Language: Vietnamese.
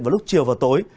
vào lúc chiều và tối